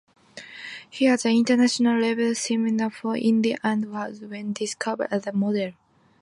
He was a international-level swimmer for India and was then discovered as a model.